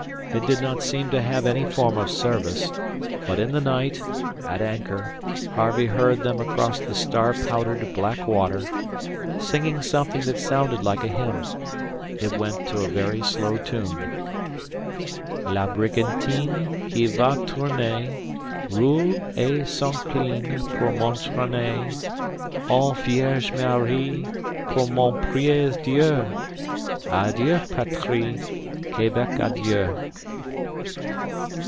They did not seem to have any form of service, but in the night, at anchor, Harvey heard them across the star powdered black water, singing something that sounded like a hymn. It went to a very slow tune. "La brigantine Qui va tourner, Roule et s'incline Pour m'entrainer. Oh, Vierge Marie, Pour moi priez Dieu! Adieu, patrie; Quebec, adieu!"